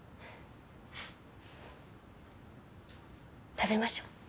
食べましょ。